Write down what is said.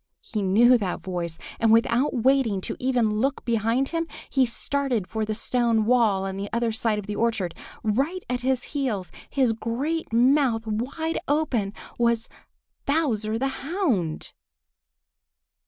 He knew that voice, and without waiting to even look behind him, he started for the stone wall on the other side of the orchard. Right at his heels, his great mouth wide open, was Bowser the Hound.